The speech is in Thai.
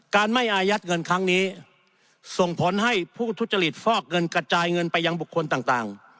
ไม่อายัดเงินครั้งนี้ส่งผลให้ผู้ทุจริตฟอกเงินกระจายเงินไปยังบุคคลต่าง